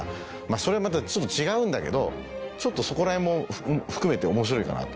それはまたちょっと違うんだけどそこらへんも含めて面白いかなと。